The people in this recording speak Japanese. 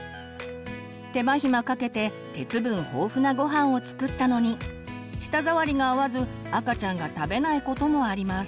手間暇かけて鉄分豊富なごはんを作ったのに舌触りが合わず赤ちゃんが食べないこともあります。